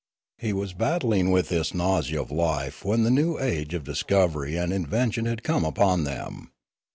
He was battling with this nausea of life when the new age of discovery and invention had come upon them.